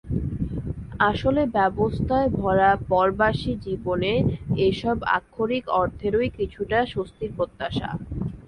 আসলে ব্যস্ততায় ভরা পরবাসী জীবনে এসব আক্ষরিক অর্থেই কিছুটা স্বস্তির প্রত্যাশা।